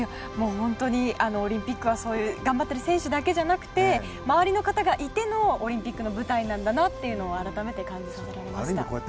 オリンピックは頑張ってる選手だけじゃなくて周りの方がいてのオリンピックの舞台なんだなというのを改めて感じさせられました。